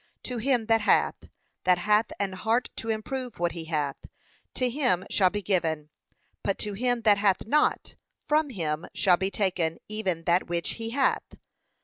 'To him that hath,' that hath an heart to improve what he hath, to him shall be given; but to him that hath not, from him shall be taken even that which he hath.'